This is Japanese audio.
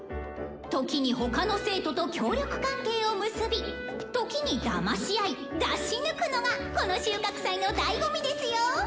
「時に他の生徒と協力関係を結び時にだましあい出し抜くのがこの収穫祭のだいご味ですよ！」。